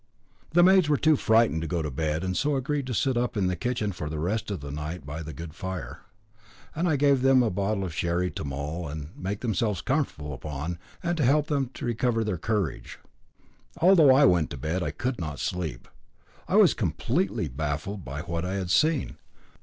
The maids were too frightened to go to bed, and so agreed to sit up in the kitchen for the rest of the night by a good fire, and I gave them a bottle of sherry to mull, and make themselves comfortable upon, and to help them to recover their courage. Although I went to bed, I could not sleep. I was completely baffled by what I had seen.